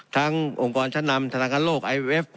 องค์กรชั้นนำธนาคารโลกไอเวฟ